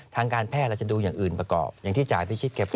ทางการแพทย์เราจะดูอย่างอื่นประกอบอย่างที่จ่ายพิชิตแกพูด